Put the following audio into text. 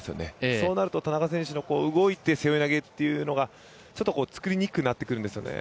そうなると田中選手が動いて背負い投げというのが作りにくくなるんですよね。